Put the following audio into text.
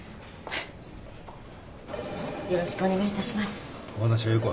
はい。